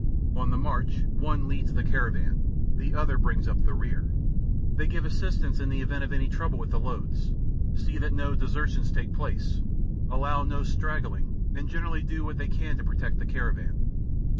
On the march one leads the caravan, the other brings up the rear; they give assistance in the event of any trouble with the loads, see that no desertions take place, allow no straggling and generally do what they can to protect the caravan.